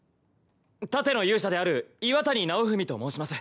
盾の勇者である岩谷尚文と申します。